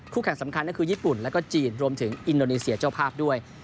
แข่งสำคัญก็คือญี่ปุ่นแล้วก็จีนรวมถึงอินโดนีเซียเจ้าภาพด้วย